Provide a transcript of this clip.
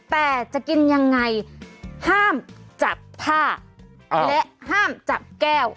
แต่จะกินยังไงห้ามจับผ้าและห้ามจับแก้ว